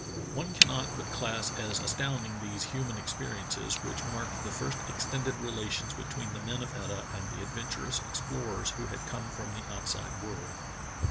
One cannot but class as astounding these human experiences, which marked the first extended relations betvv'een the men of Etah and the adventurous explorers who had come from the outside world.